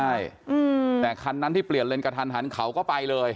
ใช่แต่คันนั้นที่เปลี่ยนเลนกระทันหันเขาก็ไปเลย